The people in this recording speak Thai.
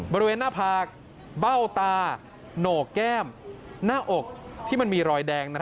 บริเวณหน้าผากเบ้าตาโหนกแก้มหน้าอกที่มันมีรอยแดง